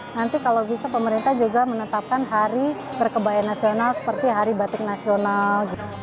nanti kalau bisa pemerintah juga menetapkan hari berkebaya nasional seperti hari batik nasional